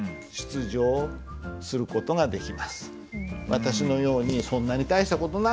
「私のようにそんなに大した事ないのに」。